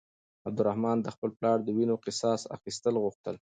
عبدالرحمن د خپل پلار د وينو قصاص اخيستل غوښتل.